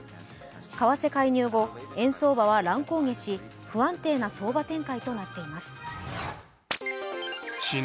為替介入後、円相場は乱高下し不安定な相場展開となっています。